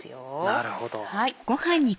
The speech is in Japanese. なるほど。